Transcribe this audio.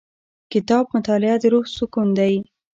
د کتاب مطالعه د روح تسکین دی.